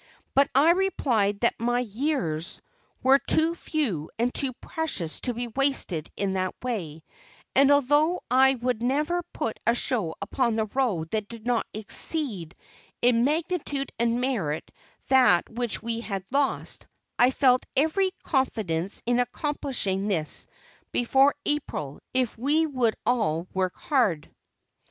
But I replied that my "years" were too few and too precious to be wasted in that way; and although I would never put a show upon the road that did not exceed in magnitude and merit that which we had lost, I felt every confidence in accomplishing this before April, if we would all work hard.